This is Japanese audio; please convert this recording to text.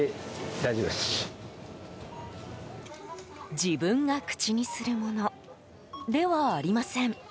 自分が口にするものではありません。